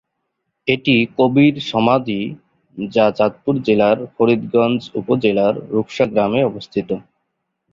এটি কবির সমাধি যা চাঁদপুর জেলার ফরিদগঞ্জ উপজেলার রূপসা গ্রামে অবস্থিত।